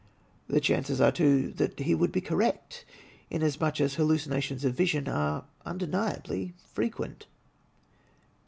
The chances are, too, that he would be correct, inasmuch as hallucinations of vision are imdeniably frequent.